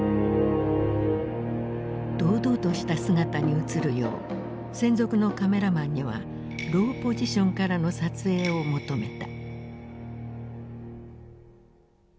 堂々とした姿に映るよう専属のカメラマンにはローポジションからの撮影を求めた。